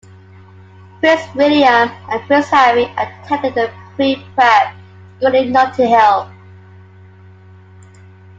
Prince William and Prince Harry attended the pre-prep school in Notting Hill.